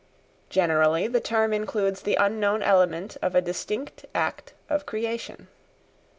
Generally the term includes the unknown element of a distinct act of creation.